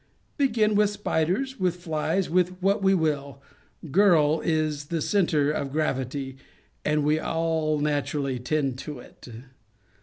Begin with spiders, with flies, with what we will, girl is the centre of gravity, and we all naturally tend to it.